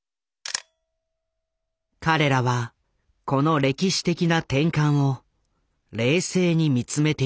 彼らはこの歴史的な転換を冷静に見つめていた。